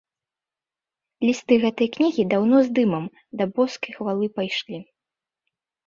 Лісты гэтай кнігі даўно з дымам да боскай хвалы пайшлі.